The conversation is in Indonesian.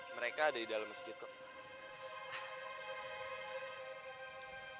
mereka ada di dalam sekitarnya